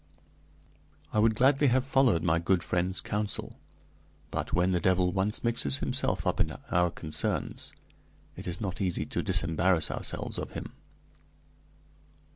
I would gladly have followed my good friend's counsel; but, when the devil once mixes himself up in our concerns, it is not easy to disembarrass ourselves of him.